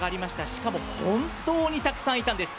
しかも本当にたくさんいたんです。